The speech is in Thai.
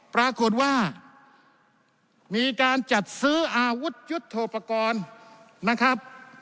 ปรากฏว่ามีการจัดซื้ออาวุธยุทธโทปกรณ์นะครับ